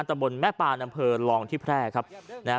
ตะบนแม่ปานอำเภอรองที่แพร่ครับนะฮะ